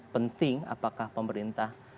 penting apakah pemerintah